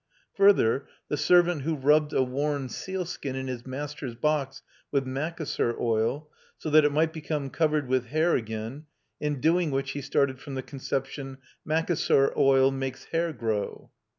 Further, the servant who rubbed a worn sealskin in his master's box with Macassar oil, so that it might become covered with hair again; in doing which he started from the conception, "Macassar oil makes hair grow."